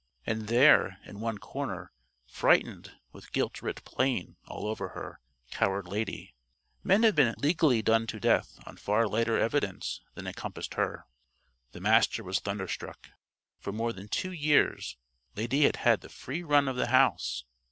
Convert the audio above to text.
And there, in one corner, frightened, with guilt writ plain all over her, cowered Lady. Men have been "legally" done to death on far lighter evidence than encompassed her. The Master was thunderstruck. For more than two years Lady had had the free run of the house.